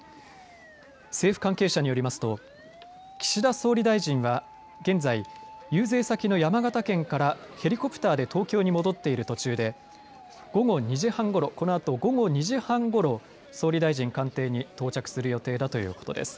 政府関係者によりますと岸田総理大臣は現在、遊説先の山形県からヘリコプターで東京に戻っている途中でこのあと午後２時半ごろ、総理大臣官邸総理大臣官邸に到着する予定だということです。